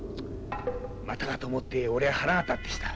まただと思って俺は腹が立ってきた。